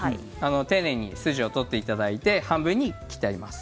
丁寧に筋を取っていただいて半分に切ってあります。